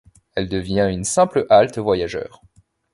Elle devient une simple halte voyageurs.